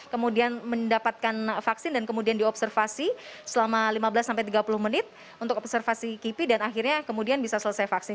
kemudian mendapatkan vaksin dan kemudian diobservasi selama lima belas sampai tiga puluh menit untuk observasi kipi dan akhirnya kemudian bisa selesai vaksin